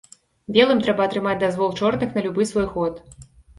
Белым трэба атрымаць дазвол чорных на любы свой ход.